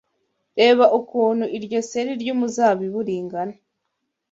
Reba ukuntu iryo seri ry’umuzabibu ringana